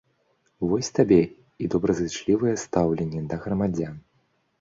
Вось табе і добразычлівае стаўленне да грамадзян.